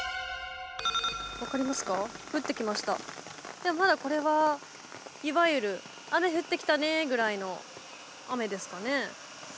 でもまだこれはいわゆる雨降ってきたねぐらいの雨ですかね。